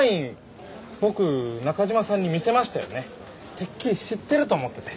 てっきり知ってると思ってて。